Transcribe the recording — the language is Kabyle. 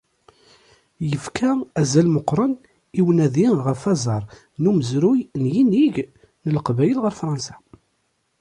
Yefka azal meqqren i unadi ɣef wazar n umezruy n yinig n leqbayel ɣer fransa.